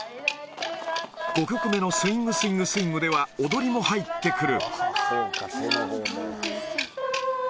５曲目のスイング・スイング・スイングでは、踊りも入ってくる。